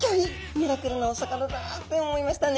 ミラクルなお魚だって思いましたね。